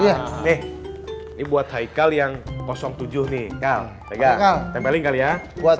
ya nih ini buat haikal yang kosong tujuh nih kal tega tega tempele kali ya buat